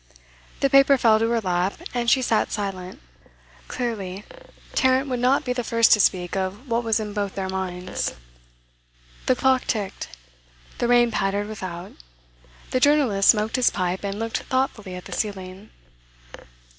The paper fell to her lap, and she sat silent. Clearly, Tarrant would not be the first to speak of what was in both their minds. The clock ticked; the rain pattered without; the journalist smoked his pipe and looked thoughtfully at the ceiling.